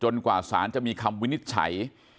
กว่าสารจะมีคำวินิจฉัย